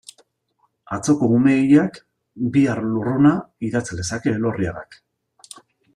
Atzoko ume hilak, bihar lurruna, idatz lezake Elorriagak.